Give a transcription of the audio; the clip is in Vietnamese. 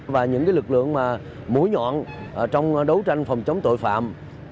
và những lực lượng mũi nhọn trong đấu tranh phòng chống tội phạm